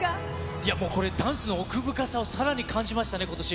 いやもう、これ、ダンスの奥深さをさらに感じましたね、ことし。